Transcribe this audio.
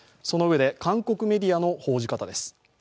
そのうえで韓国メディアの報じ方です。